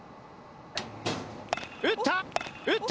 打った！